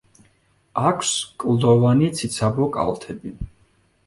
აქვს კლდოვანი ციცაბო კალთები.